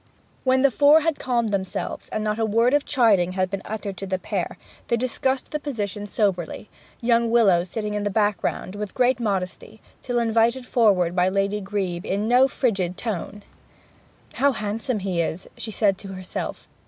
When the four had calmed themselves, and not a word of chiding had been uttered to the pair, they discussed the position soberly, young Willowes sitting in the background with great modesty till invited forward by Lady Grebe in no frigid tone. 'How handsome he is!' she said to herself.